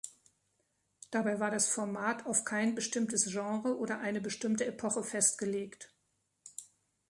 Dabei war das Format auf kein bestimmtes Genre oder eine bestimmte Epoche festgelegt.